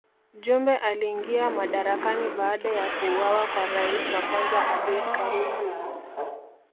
Jumbe aliingia madarakani baada ya kuuawa kwa rais wa kwanza Abeid Karume